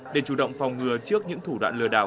để chủ động phòng ngừa trước những thủ đoạn lừa đảo